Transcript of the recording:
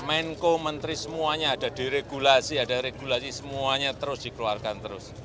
menko menteri semuanya ada di regulasi ada regulasi semuanya terus dikeluarkan terus